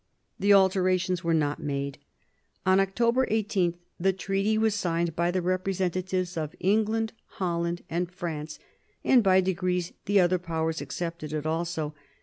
The alterations were not made. On October 18 the treaty was signed by the representatives of England, Holland, and France, and by degrees the other Powers accepted it also.